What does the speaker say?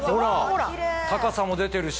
高さも出てるし。